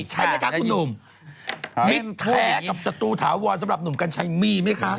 ใช้ไหมคะคุณหนุ่มมิตรแท้กับศัตรูถาวรสำหรับหนุ่มกัญชัยมีไหมคะ